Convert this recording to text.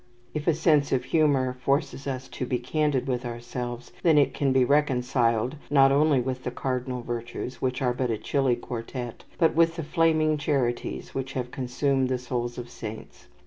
If a sense of humour forces us to be candid with ourselves, then it can be reconciled, not only with the cardinal virtues which are but a chilly quartette but with the flaming charities which have consumed the souls of saints.